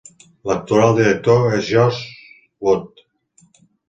L'actual director és Josh Wood.